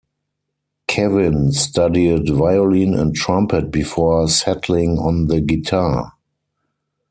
Kevin studied violin and trumpet before settling on the guitar.